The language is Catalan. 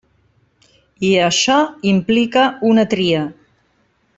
I això implica una tria.